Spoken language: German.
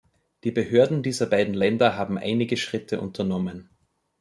Die Behörden dieser beiden Länder haben einige Schritte unternommen.